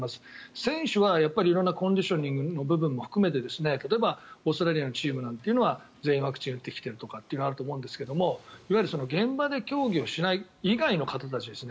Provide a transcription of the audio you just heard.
選手は色んなコンディショニングの部分も含めて例えばオーストラリアのチームは全員ワクチンを打ってきてるということになりますがいわゆる現場で競技しないそれ以外の方たちですね。